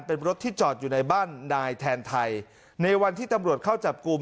เป็นรถที่จอดอยู่ในบ้านนายแทนไทยในวันที่ตำรวจเข้าจับกลุ่ม